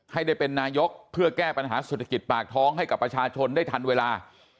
ให้ได้เป็นนายกเพื่อแก้ปัญหาเศรษฐกิจปากท้องให้กับประชาชนได้ทันเวลา